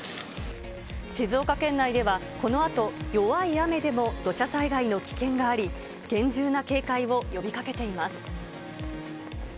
静岡県内ではこのあと、弱い雨でも土砂災害の危険があり、厳重な警戒を呼びかけています。